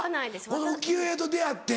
この浮世絵と出合って。